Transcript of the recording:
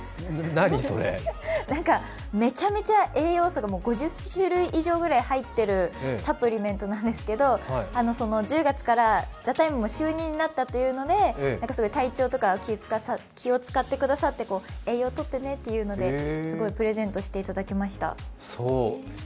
それめちゃめちゃ栄養素が５０種類ぐらい入ってるサプリメントなんですけど、１０月から「ＴＨＥＴＩＭＥ，」も就任になったということで体調とか気を使ってくださって、栄養をとってねっていうのですごいプレゼントしていただきました。